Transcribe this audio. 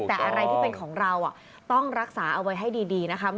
แต่อะไรที่เป็นของเราต้องรักษาเอาไว้ให้ดีนะคะ